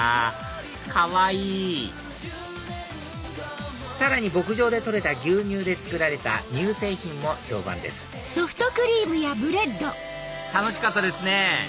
かわいいさらに牧場で採れた牛乳で作られた乳製品も評判です楽しかったですね